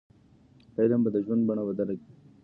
علم به د ژوند بڼه بدله کړي.